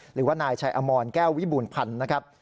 หรือว่านายชัยอมรแก้ววิบูรณพันธ์นะครับ